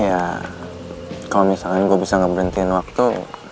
ya kalau misalnya gue bisa ngeberhentikan waktu